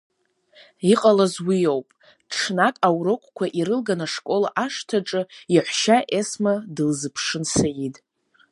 Иҟалаз уиоуп, ҽнак, аурокқәа ирылган, ашкол ашҭаҿы, иаҳәшьа Есма дылзыԥшын Саид.